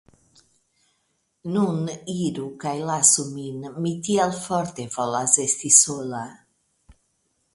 Nun iru kaj lasu min, mi tiel forte volas esti sola!